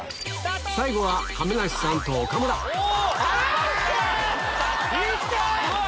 最後は亀梨さんと岡村すごい！